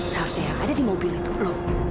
seharusnya yang ada di mobil itu belum